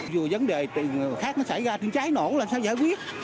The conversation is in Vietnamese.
dù vấn đề khác nó xảy ra trái nổ làm sao giải quyết